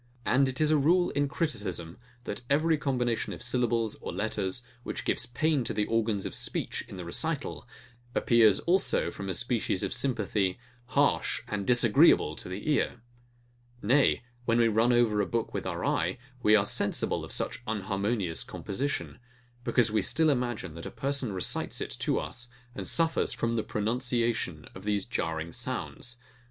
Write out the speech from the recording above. And it is a rule in criticism, that every combination of syllables or letters, which gives pain to the organs of speech in the recital, appears also from a species of sympathy harsh and disagreeable to the ear. Nay, when we run over a book with our eye, we are sensible of such unharmonious composition; because we still imagine, that a person recites it to us, and suffers from the pronunciation of these jarring sounds.